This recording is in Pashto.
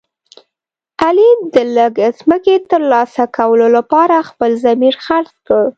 علي د لږ ځمکې تر لاسه کولو لپاره خپل ضمیر خرڅ کړ.